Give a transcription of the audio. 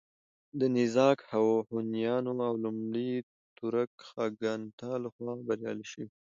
د نېزاک هونيانو او لومړي تورک خاگانات له خوا بريالي شوي